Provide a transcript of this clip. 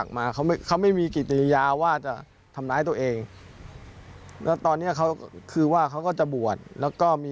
เขาบอกว่าเขายอม